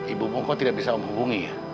ibumu kok tidak bisa om hubungi ya